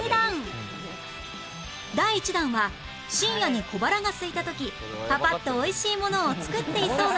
第１弾は「深夜に小腹がすいた時パパッと美味しいものを作っていそうな人」